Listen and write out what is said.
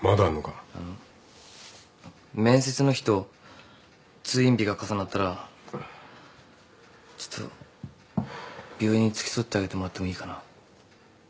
あの面接の日と通院日が重なったらちょっと病院に付き添ってあげてもらってもいいかな。